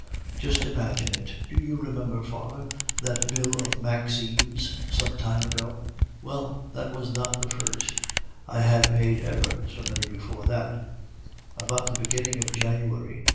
"Just imagine it; do you remember, father, that bill of Maxime's some time ago? Well, that was not the first. I had paid ever so many before that. About the beginning of January M.